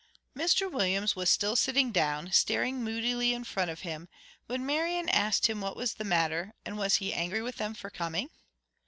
Mr Williams was still sitting down, staring moodily in front of him, when Marian asked him what was the matter, and was he angry with them for coming?